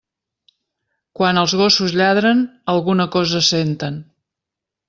Quan els gossos lladren, alguna cosa senten.